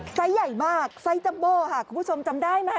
ไซส์ใหญ่มากไซสจัมโบค่ะคุณผู้ชมจำได้ไหม